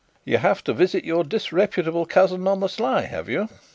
"You have to visit your disreputable cousin on the sly, have you?"